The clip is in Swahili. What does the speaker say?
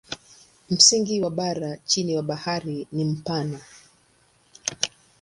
Msingi wa bara chini ya bahari ni mpana.